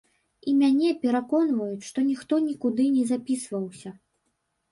І мяне пераконваюць, што ніхто нікуды не запісваўся.